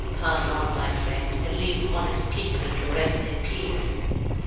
Pafs " on, my friend, and leave honeft " people to reft in peace."